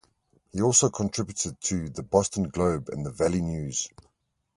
He also contributed to "The Boston Globe" and the "Valley News".